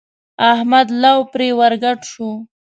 احمد لو پرې ور ګډ شو.